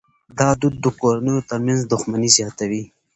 دا دود د کورنیو ترمنځ دښمني زیاتوي.